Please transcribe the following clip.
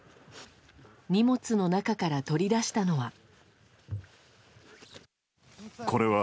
荷物の中から取り出したのは。